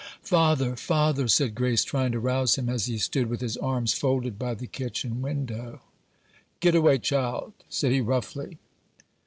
"Father! father!" said Grace, trying to rouse him, as he stood with his arms folded by the kitchen window. "Get away, child!" said he, roughly.